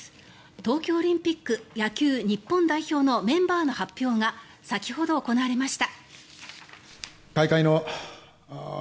東京オリンピック野球日本代表のメンバーの発表が先ほど、行われました。